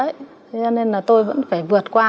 thế nên là tôi vẫn phải vượt qua